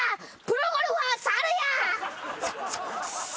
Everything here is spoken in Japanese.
プロゴルファー猿や！